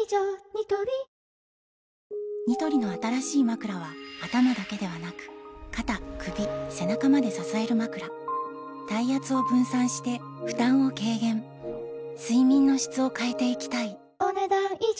ニトリニトリの新しいまくらは頭だけではなく肩・首・背中まで支えるまくら体圧を分散して負担を軽減睡眠の質を変えていきたいお、ねだん以上。